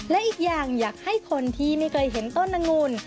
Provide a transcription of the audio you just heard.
และอีกอย่างอยากให้คนที่ไม่เคยเห็นต้นอังุ่น